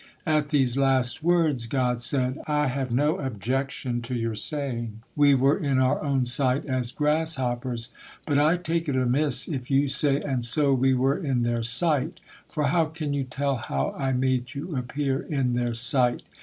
At these last words, God said: "I have not objection to your saying, 'We were in our own sight as grasshoppers,' but I take it amiss if you say, 'And so we were in their sight,' for how can you tell how I made you appear in their sight?